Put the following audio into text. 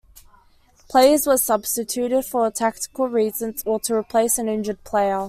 Players were substituted for tactical reasons or to replace an injured player.